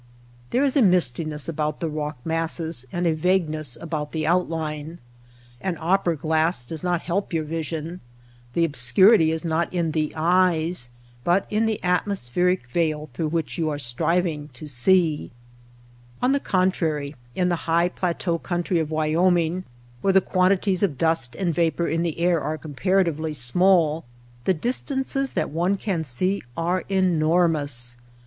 There is a mistiness about the rock masses and a vague ness about the outline. An opera glass does not help your vision. The obscurity is not in the eyes but in the atmospheric veil through which you are striving to see. On the contrary, in the high plateau country of Wyoming, where Atmospher ic envelope. Vapor particles. 80 THE DESERT Clear air. Dust particles. Hazes, the quantities of dust and vapor in the air are comparatively small, the distances that one can see are enormous.